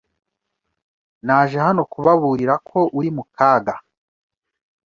Naje hano kubaburira ko uri mu kaga